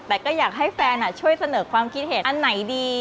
แต่ก็อยากให้แฟนช่วยเสนอความคิดเห็นอันไหนดี